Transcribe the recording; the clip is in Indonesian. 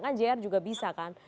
kan jr juga bisa kan